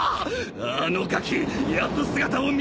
あのガキやっと姿を見せた！